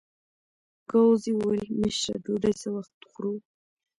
ګاووزي وویل: مشره ډوډۍ څه وخت خورو؟